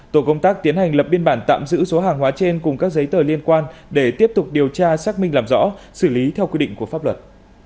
tổ công tác tiến hành lập biên bản tạm giữ số hàng hóa trên cùng các giấy tờ liên quan để tiếp tục điều tra xác minh làm rõ xử lý theo quy định của pháp luật